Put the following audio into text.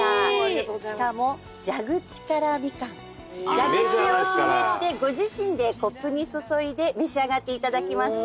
蛇口をひねってご自身でコップに注いで召し上がって頂きます。